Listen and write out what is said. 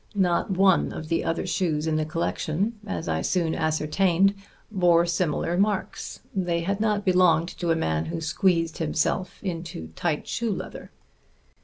Not one of the other shoes in the collection, as I soon ascertained, bore similar marks; they had not belonged to a man who squeezed himself into tight shoe leather.